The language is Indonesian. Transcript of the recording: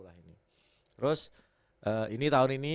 terus ini tahun ini